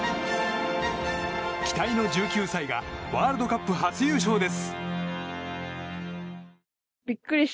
期待の１９歳がワールドカップ初優勝です。